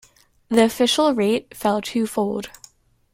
The official rate fell twofold.